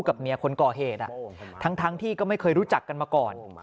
กับเมียคนก่อเหตุทั้งที่ก็ไม่เคยรู้จักกันมาก่อน